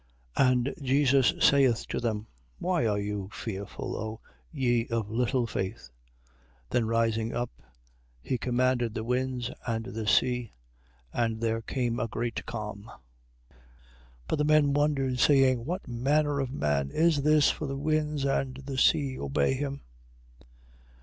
8:26. And Jesus saith to them: Why are you fearful, O ye of little faith? Then rising up, he commanded the winds, and the sea, and there came a great calm. 8:27. But the men wondered, saying: What manner of man is this, for the winds and the sea obey him?